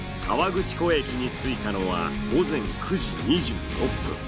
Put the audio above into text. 河口湖駅に着いたのは午前９時２６分。